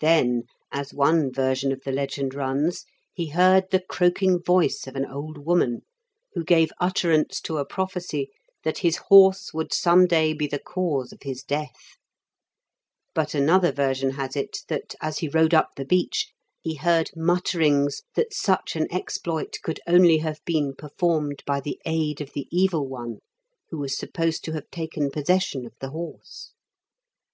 Then, as one version of the legend runs, he heard the croaking voice of an old woman, who gave utterance to a prophecy that his horse would some day be th6 cause of his death; but another version has it that, as he rode up the beach, he heard mutterings that such an exploit could only have been performed by the aid of the Evil One, who was supposed to have taken pos session of the horse.